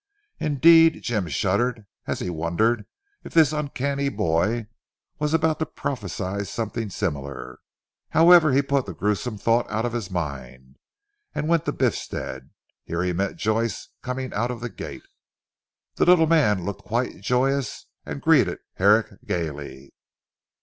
Indeed Jim shuddered as he wondered if this uncanny boy was about to prophesy something similar. However he put the gruesome thought out of his mind, and went to Biffstead. Here he met Joyce coming out of the gate. The little man looked quite joyous, and greeted Herrick gaily.